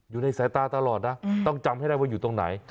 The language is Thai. อยู่ในสายตาตลอดนะต้องจำให้ได้ว่าอยู่ตรงไหน